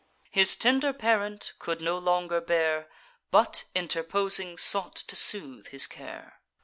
His tender parent could no longer bear; But, interposing, sought to soothe his care.